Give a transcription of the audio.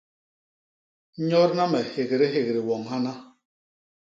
Nyodna me hégdéhégdé woñ hana!